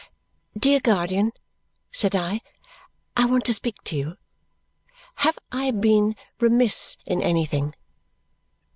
"Dear guardian," said I, "I want to speak to you. Have I been remiss in anything?"